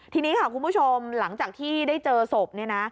ทีนี้ค่ะคุณผู้ชมหลังจากที่ได้เจอศพเนี่ยนะ